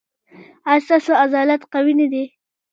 ایا ستاسو عضلات قوي نه دي؟